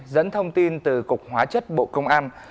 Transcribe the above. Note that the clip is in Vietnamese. dẫn thông tin từ cục hóa chất bộ công an